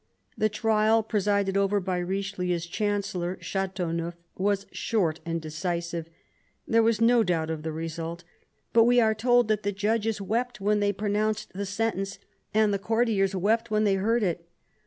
The trial, presided over by Richelieu's Chancellor, Chateauneuf, was short and decisive : there was no doubt of the result; but we are told that the judges wept when they pronounced the sentence, and the courtiers wept when they heard it.